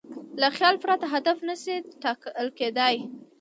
له خیال پرته هدف نهشي ټاکل کېدی.